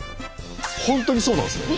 本当にそうなんですね。